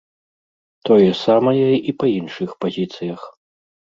Тое самае і па іншых пазіцыях.